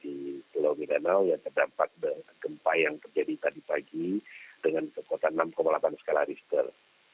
di pulau midanau yang terdampak gempa yang terjadi tadi pagi dengan kekuatan enam delapan skala richter